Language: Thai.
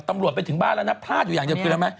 ตำรวจไปถึงบ้านแล้วนะพลาดอยู่อย่างเดียว